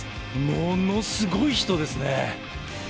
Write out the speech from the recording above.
ものすごい人ですね。